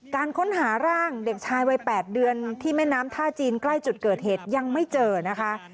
การค้นหาร่างเด็กชายวัย๘เดือนที่แม่น้ำท่าจีนใกล้จุดเกิดเหตุยังไม่เจอนะคะ